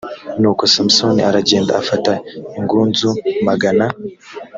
nuko samusoni aragenda afata ingunzu magana